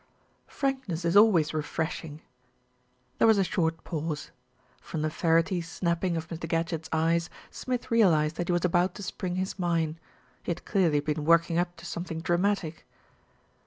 "Frankness is always refreshing." There was a short pause. From the ferrety snap ping of Mr. Gadgett's eyes, Smith realised that he was about to spring his mine. He had clearly been working up to something dramatic.